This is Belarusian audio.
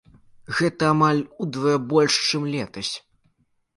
Гэта амаль удвая больш, чым летась.